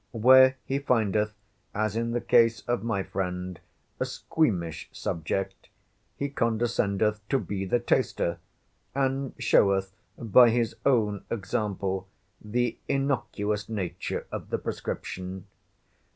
Where he findeth, as in the case of my friend, a squeamish subject, he condescendeth to be the taster; and showeth, by his own example, the innocuous nature of the prescription.